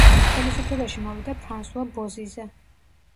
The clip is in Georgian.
ხელისუფლებაში მოვიდა ფრანსუა ბოზიზე.